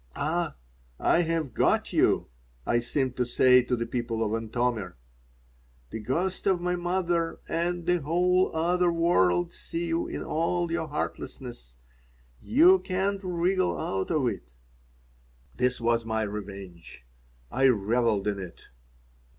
"Ah, I have got you!" I seemed to say to the people of Antomir. "The ghost of my mother and the whole Other World see you in all your heartlessness. You can't wriggle out of it." This was my revenge. I reveled in it.